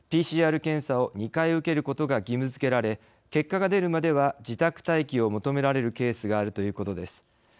ＰＣＲ検査を２回受けることが義務づけられ結果が出るまでは自宅待機を求められるケースがあるということです。